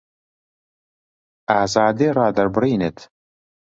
ئازادی ڕادەربڕینت